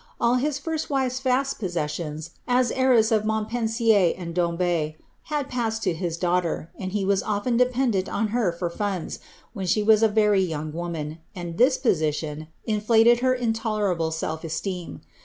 All his first wife^s vast possessions, as heiress of Mool pensier and Dombes, had passed to his daughter, and he was often de pendent on her for funds, when she was a very young woman, and this position inflated her intolerable self esteem.